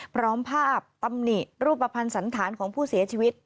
พร้อมภาพตำหนิรูปภัณฑ์สันธารของผู้เสียชีวิต